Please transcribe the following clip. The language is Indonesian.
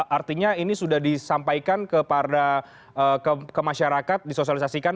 artinya ini sudah disampaikan kepada kemasyarakat disosialisasikan